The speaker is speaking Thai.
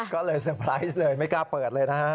ก็เลยเตอร์ไพรส์เลยไม่กล้าเปิดเลยนะฮะ